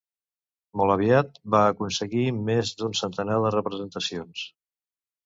Molt aviat va aconseguir més d'un centenar de representacions.